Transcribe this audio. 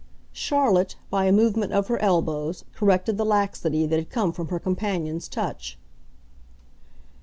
Charlotte, by a movement of her elbows, corrected the laxity that had come from her companion's touch.